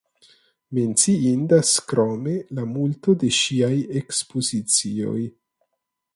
Menciindas krome la multo de ŝiaj ekspozicioj.